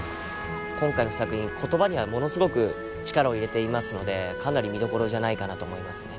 今回の作品言葉にはものすごく力を入れていますのでかなり見どころじゃないかなと思いますね。